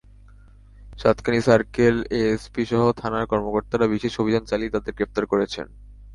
সাতকানিয়া সার্কেলের এএসপিসহ থানার কর্মকর্তারা বিশেষ অভিযান চালিয়ে তাঁদের গ্রেপ্তার করেছেন।